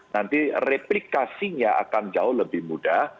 nanti replikasinya akan jauh lebih mudah